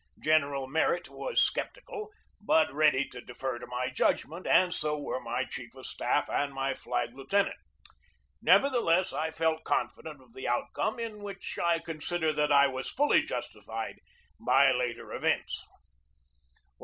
General Merritt was sceptical, but ready to defer to my judgment, and so were my chief of staff and my flag lieutenant. Nevertheless, I felt con fident of the outcome, in which I consider that I was fully justified by later events. While M.